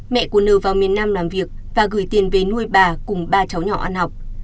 mẹ của neo vào miền nam làm việc và gửi tiền về nuôi bà cùng ba cháu nhỏ ăn học